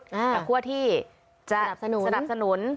กับคั่วที่จะสนับสนุน